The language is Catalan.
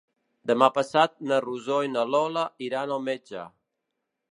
Demà passat na Rosó i na Lola iran al metge.